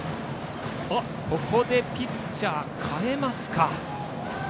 ここでピッチャー代えますか。